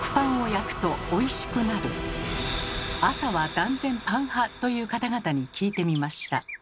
朝は断然パン派という方々に聞いてみました。